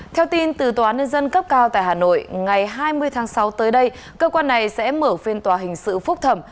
theo tin từ tòa nhân dân cấp cao tại hà nội ngày hai mươi tháng sáu tới đây cơ quan này sẽ mở phiên tòa hình sự phúc thẩm